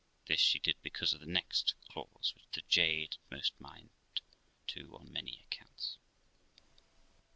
This she did because of the next clause, which the jade had most mind to on many accounts.